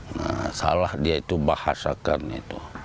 nah salah dia itu bahasakan itu